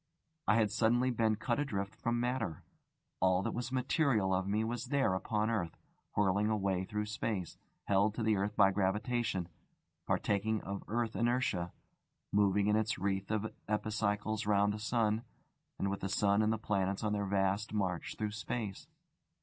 I had suddenly been cut adrift from matter: all that was material of me was there upon earth, whirling away through space, held to the earth by gravitation, partaking of the earth inertia, moving in its wreath of epicycles round the sun, and with the sun and the planets on their vast march through space.